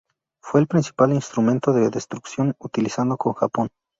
Fue el principal instrumento de destrucción utilizado con Japón.